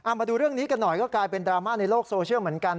มาดูเรื่องนี้กันหน่อยก็กลายเป็นดราม่าในโลกโซเชียลเหมือนกัน